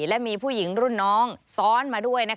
และมีผู้หญิงรุ่นน้องซ้อนมาด้วย